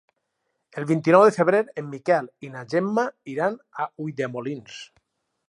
El vint-i-nou de febrer en Miquel i na Gemma iran a Ulldemolins.